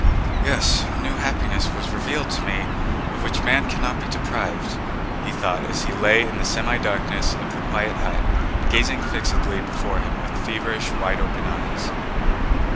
"Yes, a new happiness was revealed to me of which man cannot be deprived," he thought as he lay in the semidarkness of the quiet hut, gazing fixedly before him with feverish wide open eyes.